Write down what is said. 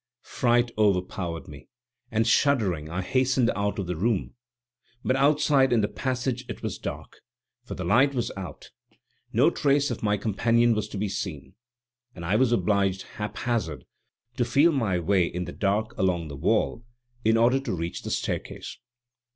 Fright overpowered me, and, shuddering, I hastened out of the room. But outside in the passage it was dark; for the light was out, no trace of my companion was to be seen, and I was obliged, haphazard, to feel my way in the dark along the wall, in order to reach the staircase.